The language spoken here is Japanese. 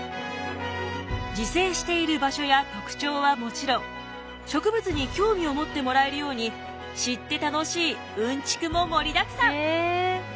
自生している場所や特徴はもちろん植物に興味を持ってもらえるように知って楽しいうんちくも盛りだくさん。